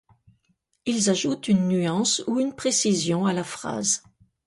Ils ajoutent une nuance ou une précision à la phrase.